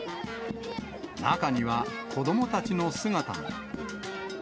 中には、子どもたちの姿も。